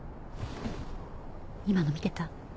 今の見てた？